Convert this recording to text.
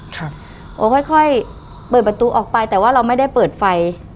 โอ้ค่อยค่อยเปิดประตูออกไปแต่ว่าเราไม่ได้เปิดไฟ